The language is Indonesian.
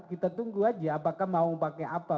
kita tunggu aja apakah mau pakai apa